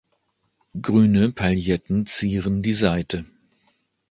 Grüne Pailletten zieren die Seite.